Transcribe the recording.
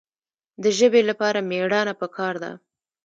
د ژبې لپاره مېړانه پکار ده.